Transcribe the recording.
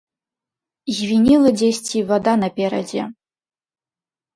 Звінела дзесьці вада наперадзе.